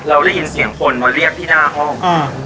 เราได้ยินเสียงคนมาเรียกที่หน้าห้อง